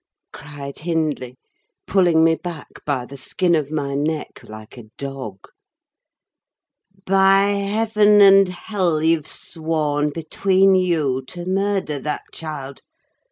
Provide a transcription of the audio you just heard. cried Hindley, pulling me back by the skin of my neck, like a dog. "By heaven and hell, you've sworn between you to murder that child!